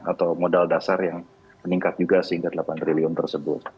atau modal dasar yang meningkat juga sehingga delapan triliun tersebut